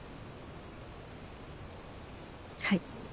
はい。